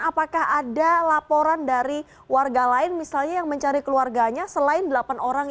apakah ada laporan dari warga lain misalnya yang mencari keluarganya selain delapan orang